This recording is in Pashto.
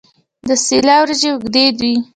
د سیله وریجې اوږدې وي.